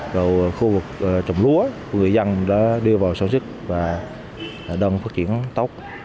đầu khu vực trồng lúa của người dân đã đưa vào sản xuất và đang phát triển tốt